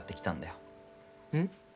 うん？